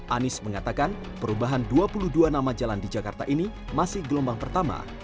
anies mengatakan perubahan dua puluh dua nama jalan di jakarta ini masih gelombang pertama